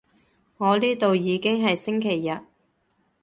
我呢度已經係星期日